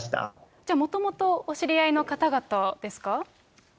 じゃあ、もともとお知り合いの方々ですか？